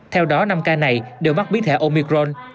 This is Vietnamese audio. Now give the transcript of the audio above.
theo đó năm ca này đều mắc biến thể omicron